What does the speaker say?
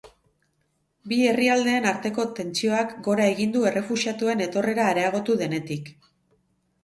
Bi herrialdeen arteko tentsioak gora egin du errefuxiatuen etorrera areagotu denetik.